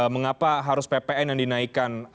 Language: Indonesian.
mengapa harus ppn yang dinaikkan